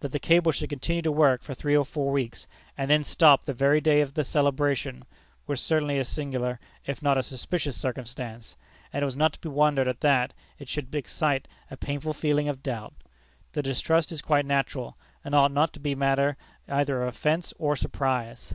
That the cable should continue to work for three or four weeks, and then stop the very day of the celebration, was certainly a singular, if not a suspicious circumstance; and it was not to be wondered at that it should excite a painful feeling of doubt. The distrust is quite natural, and ought not to be matter either of offence or surprise.